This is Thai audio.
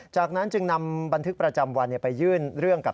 จากนั้นจึงนำบันทึกประจำวันไปยื่นเรื่องกับ